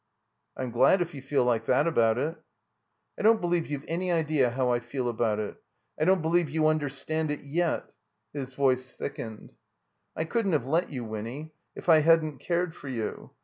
I'm glad if you feel like that about it." 1 don't believe you've any idea how I fed about it. I don't believe you understand it yet." His voice thickened. "I cotddn't have let you, Winny, if I hadn't cared for you.